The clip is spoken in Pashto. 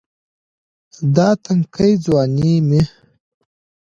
دا تنکے ځواني مې